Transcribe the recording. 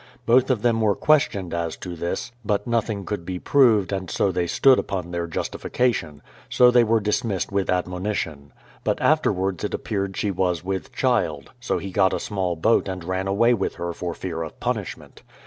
Both of them were questioned as to this, but nothing could be proved and they stood upon their justification; so they were dis missed with admonition. But afterwards it appeared she was with child, so he got a small boat and ran away with her for fear of punishment.